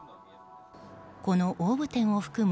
この大府店を含む